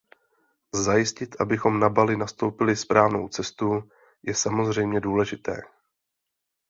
Zajistit, abychom na Bali nastoupili správnou cestu, je samozřejmě důležité.